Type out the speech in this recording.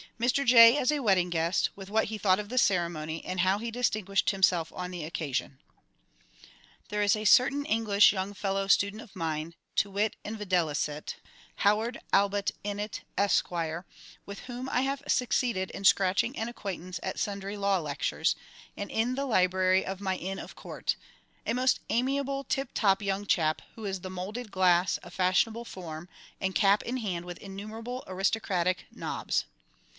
Mr J. as a wedding guest, with what he thought of the ceremony, and how he distinguished himself on the occasion._ There is a certain English young fellow student of mine to wit and videlicet, HOWARD ALLBUTT INNETT, Esquire, with whom I have succeeded in scratching an acquaintance at sundry Law Lectures, and in the Library of my Inn of Court a most amiable tip top young chap, who is "the moulded glass of fashionable form," and cap in hand with innumerable aristocratic nobs.